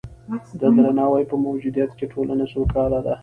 د درناوي په موجودیت کې ټولنه سوکاله ده.